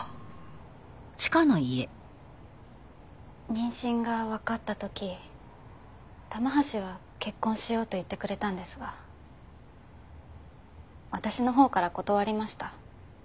妊娠がわかった時玉橋は結婚しようと言ってくれたんですが私のほうから断りました。